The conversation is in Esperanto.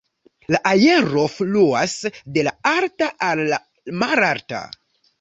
La aero fluas de la alta al la malalta.